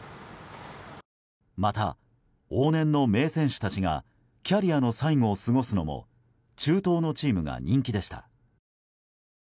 また、往年の名選手たちがキャリアの最後を過ごすのも中東のチームが人気でした。